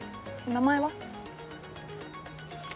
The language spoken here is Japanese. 名前は？